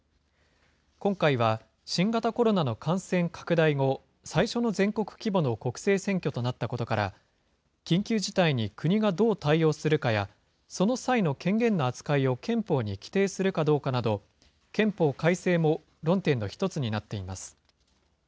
今回は新型コロナの感染拡大後、最初の全国規模の国政選挙となったことから、緊急事態に国がどう対応するかや、その際の権限の扱いを憲法に規定するかどうかなど、憲法改正も論点の一つになっています。